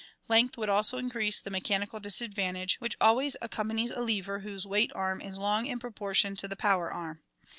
Length would also increase the mechanical disadvantage which always accompanies a lever whose weight arm is long in proportion to the power arm.